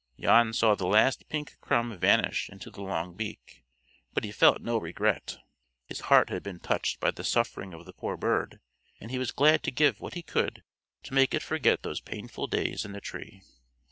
Jan saw the last pink crumb vanish into the long beak, but he felt no regret. His heart had been touched by the suffering of the poor bird, and he was glad to give what he could to make it forget those painful days in the tree.